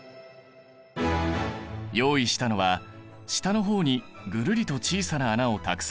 用意したのは下の方にぐるりと小さな穴をたくさん開けたボトル缶。